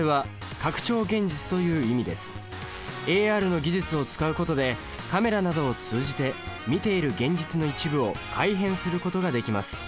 ＡＲの技術を使うことでカメラなどを通じて見ている現実の一部を改変することができます。